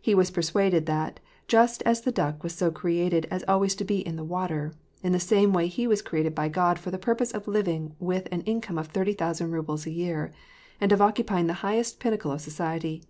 He wals persuaded that, just as the duck was so created as always to be in the water, in the same way he was created by God for the purpose of living with an income of thirty thousand rubles a year, and of occupying the highest pinnacle of society.